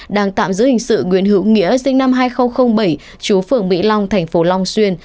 đang tạm giữ hình sự nguyễn hữu nghĩa sinh năm hai nghìn bảy chú phường mỹ long thành phố long xuyên